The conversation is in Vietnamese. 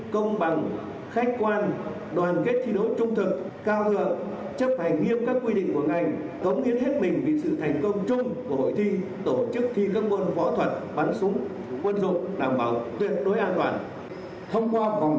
công bằng khách quan đoàn kết thi đấu trung thực cao lượng chấp hành nghiêm các quy định của ngành cống hiến hết mình vì sự thành công chung của hội thi tổ chức thi các bôn phó thuật bắn súng quân dụng đảm bảo tuyệt đối an toàn